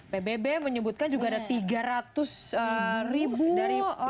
pbb menyebutkan juga ada tiga ratus ribu orang meninggal